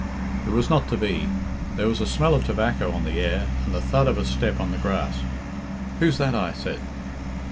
It was not to be. There was a smell of tobacco on the air and the thud of a step on the grass. 'Who's that?' I said.